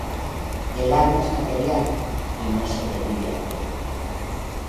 El alma es material y no sobrevive al cuerpo.